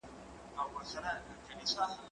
هغه څوک چي تمرين کوي قوي وي!؟